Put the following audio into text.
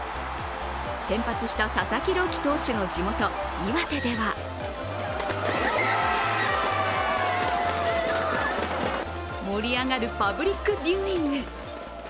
先発した佐々木朗希投手の地元岩手では盛り上がるパブリックビューイング。